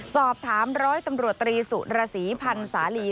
สอบถามร้อยตำรวจตรีสุรสีพันธ์สาลี